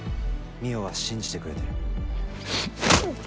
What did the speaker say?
望緒は信じてくれてる。